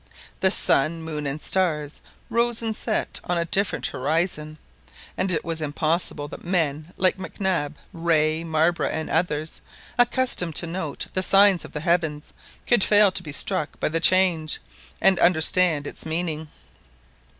The sun, moon, and stars rose and set on a different horizon, and it was impossible that men like Mac Nab, Rae, Marbre and others, accustomed to note the signs of the heavens, could fail to be struck by the change, and understand its meaning.